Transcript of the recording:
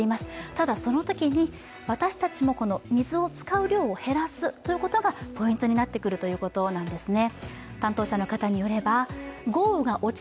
ただそのときに、私たちも水を使う量を減らすということがポイントになってくるということなんですね。